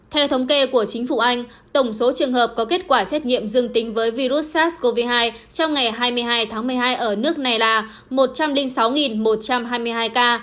theo thống kê của chính phủ anh tổng số trường hợp có kết quả xét nghiệm dương tính với virus sars cov hai trong ngày hai mươi hai tháng một mươi hai ở nước này là một trăm linh sáu một trăm hai mươi hai ca